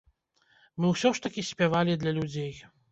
Мы ўсё ж такі спявалі для людзей.